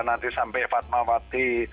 nanti sampai fatmawati